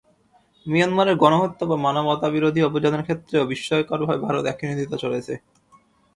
মিয়ানমারের গণহত্যা বা মানবতাবিরোধী অভিযানের ক্ষেত্রেও বিস্ময়করভাবে ভারত একই নীতিতে চলছে।